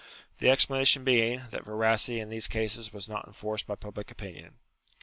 The explanation being, that veracity in these cases was not enforced by public opinion.